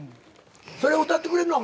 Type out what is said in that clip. それを歌ってくれんの？